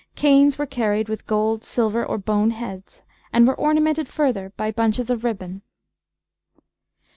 Canes were carried with gold, silver, or bone heads, and were ornamented further by bunches of ribbon.